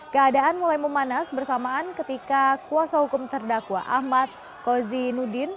keadaan mulai memanas bersamaan ketika kuasa hukum terdakwa ahmad kozinudin